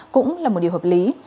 cũng là một điều hợp lý